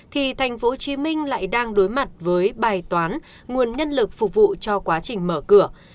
thì tp hcm lại đang đối mặt với bài toán nguồn nhân lực phục vụ cho quá trình mở cửa